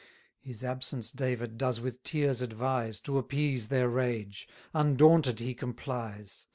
His absence David does with tears advise, To appease their rage. Undaunted he complies.